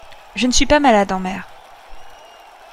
Je ne suis pas malade en mer.